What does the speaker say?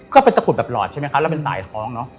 ก็เป็นตะกุดแบบหลอดใช่ไหมคะแล้วเป็นสายท้องเนอะ